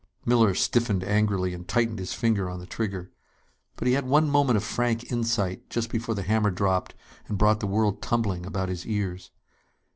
Miller stiffened angrily, and tightened his finger on the trigger. But he had one moment of frank insight just before the hammer dropped and brought the world tumbling about his ears.